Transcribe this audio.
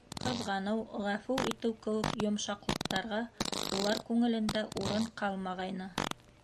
Ҡыҙғаныу, ғәфү итеү кеүек йомшаҡлыҡтарға улар күңелендә урын ҡалмағайны.